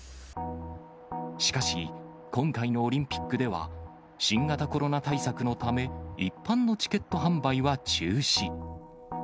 しかし、今回のオリンピックでは、新型コロナ対策のため、一般のチケット販売は中止。